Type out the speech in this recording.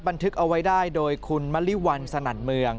บันทึกเอาไว้ได้โดยคุณมะลิวันสนั่นเมือง